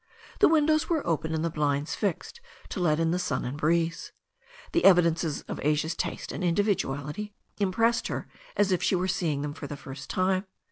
The windows were open and the blinds fixed to let in the sun and breeze. The evidences of Asia's taste and individuality impressed her as if she were seeing them for the first time.